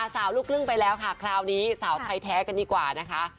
สาวลูกครึ่งไปแล้วค่ะคราวนี้สาวไทยแท้กันดีกว่านะคะ